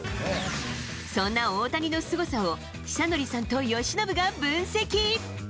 そんな大谷のすごさを、尚成さんと由伸が分析。